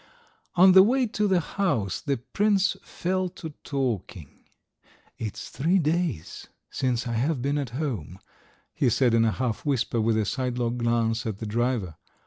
On the way to the house the prince fell to talking. "It's three days since I have been at home," he said in a half whisper, with a sidelong glance at the driver.